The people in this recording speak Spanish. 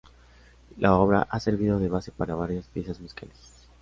La obra ha servido de base para varias piezas musicales.